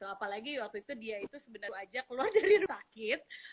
apalagi waktu itu dia itu sebenarnya aja keluar dari rumah sakit